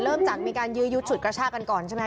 เริ่มจากมีการยื้อยุดฉุดกระชากันก่อนใช่ไหมค